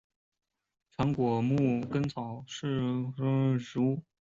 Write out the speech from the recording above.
长果牧根草是桔梗科牧根草属的植物。